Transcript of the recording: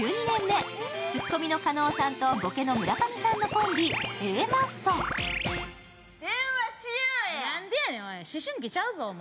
１２年目、ツッコミの加納さんとボケの村上さんのコンビ、Ａマッソ。